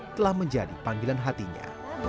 telah menjadi panggilan hatinya